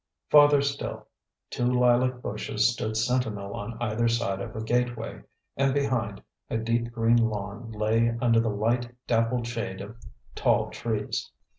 Farther still, two lilac bushes stood sentinel on either side of a gateway; and behind, a deep green lawn lay under the light, dappled shade of tall trees.